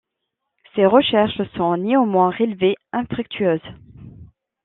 Ces recherches se sont néanmoins révélées infructueuses.